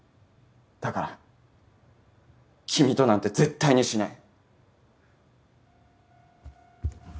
だから君となんて絶対にしない。